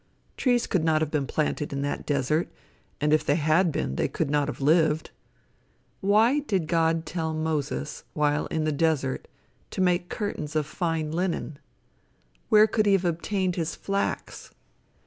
Trees could not have been planted in that desert, and if they had been, they could not have lived. Why did God tell Moses, while in the desert, to make curtains of fine linen? Where could he have obtained his flax?